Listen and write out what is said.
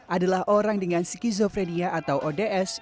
adalah orang dengan skizofrenia atau ods